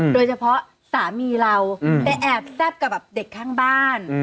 สามีเราไปแอบแซ่บกับเด็กข้างบ้าน